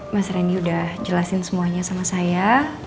mas reni udah jelasin semuanya sama saya